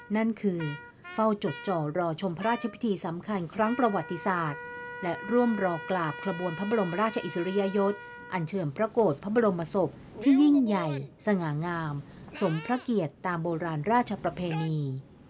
นั่นคือเฝ้าจดจ่อรอชมพระราชพิธีสำคัญครั้งประวัติศาสตร์และร่วมรอกราบขบวนพระบรมราชอิสริยยศอันเชิมพระโกรธพระบรมศพที่ยิ่งใหญ่สง่างามสมพระเกียรติตามโบราณราชประเพณี